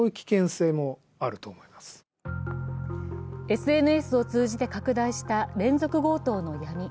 ＳＮＳを通じて拡大した連続強盗の闇。